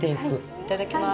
いただきます。